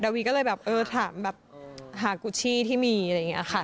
วีก็เลยแบบเออถามแบบหากุชชี่ที่มีอะไรอย่างนี้ค่ะ